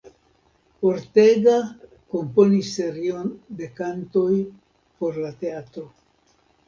Ortega komponis serion de kantoj por la teatro.